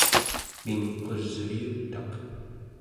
mingqusviutaq